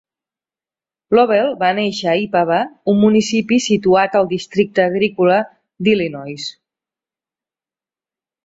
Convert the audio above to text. Lovell va néixer a Ipava, un municipi situat al districte agrícola d"Illinois.